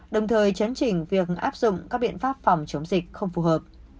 đồng thời chấn chỉnh việc áp dụng các biện pháp phòng chống dịch không phù hợp